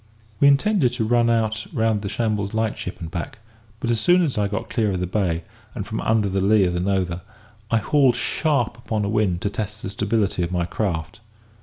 We intended to run out round the Shambles light ship and back; but as soon as I got clear of the bay, and from under the lee of the Nothe, I hauled sharp upon a wind to test the stability of my craft.